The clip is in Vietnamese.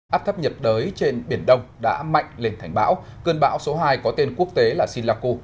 áp thấp nhiệt đới trên biển đông đã mạnh lên thành bão cơn bão số hai có tên quốc tế là silaku